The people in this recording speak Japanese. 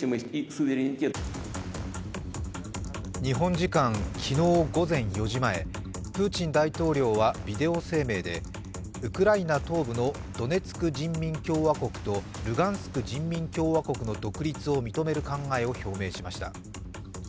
日本時間昨日午前４時前、プーチン大統領はビデオ声明でウクライナ東部のドネツク人民共和国とルガンスク人民共和国の独立を認める考えを表明しました。